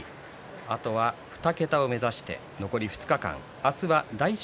あとは２桁を目指して残り２日間。